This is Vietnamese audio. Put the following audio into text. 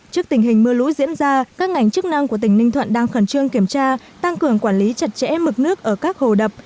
trước tình hình mưa lũ diễn ra các ngành chức năng của tỉnh ninh thuận đang khẩn trương kiểm tra tăng cường quản lý chặt chẽ mực nước ở các hồ đập